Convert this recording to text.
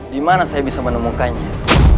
di mana saya bisa menemukannya